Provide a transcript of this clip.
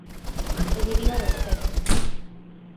Pediría respecto.